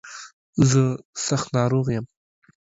زه سخت ناروغ يم.